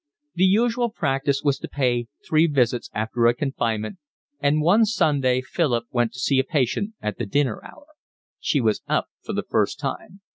The usual practice was to pay three visits after a confinement, and one Sunday Philip went to see a patient at the dinner hour. She was up for the first time.